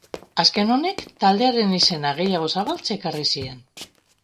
Azken honek, taldearen izena gehiago zabaltzea ekarri zien.